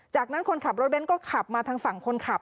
จากนั้นคนขับรถเบ้นก็ขับมาทางฝั่งคนขับ